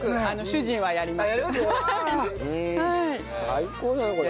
最高だねこれ。